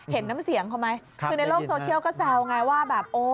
เห็นน้ำเสียงเขาไหมคือในโลกโซเชียลก็แซวไงว่าแบบโอ้